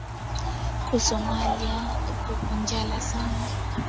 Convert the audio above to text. Ku somalie kuko njala sana